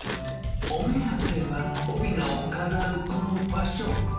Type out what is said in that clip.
お目当ては、おびなを飾るこの場所。